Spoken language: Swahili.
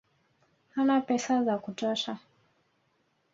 Hana pesa za kutosha